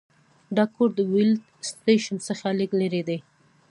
دا کور د ویلډ سټیشن څخه لږ لرې دی